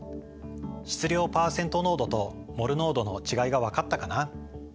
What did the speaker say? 質量パーセント濃度とモル濃度の違いが分かったかな？